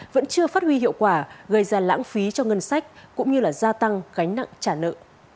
vẫn chưa phát huy hiệu quả gây ra lãng phí cho ngân sách cũng như gia tăng gánh nặng trả nợ